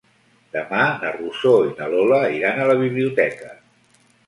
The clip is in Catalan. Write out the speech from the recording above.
Demà na Rosó i na Lola iran a la biblioteca.